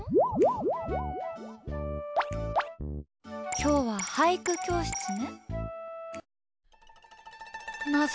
今日は俳句教室ね。